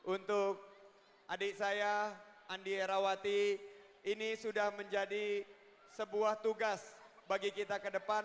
untuk adik saya andi erawati ini sudah menjadi sebuah tugas bagi kita ke depan